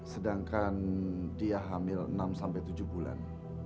sedangkan dia hamil enam sampai tujuh bulan